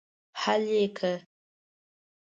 حل یې کړه.